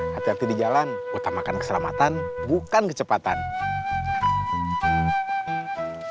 hati hati di jalan utamakan keselamatan bukan kecepatan